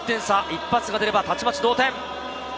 一発が出ればたちまち同点。